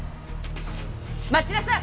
待ちなさい！